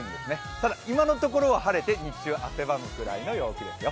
ただ、今のところは晴れて、日中は汗ばむくらいの陽気ですよ。